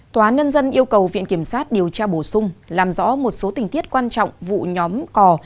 tòa án nhân dân yêu cầu viện kiểm sát điều tra bổ sung làm rõ một số tình tiết quan trọng vụ nhóm cò